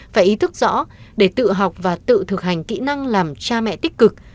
phải ý thức rõ để tự học và tự thực hành kỹ năng làm cha mẹ tích cực